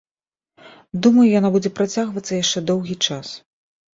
Думаю, яна будзе працягвацца яшчэ доўгі час.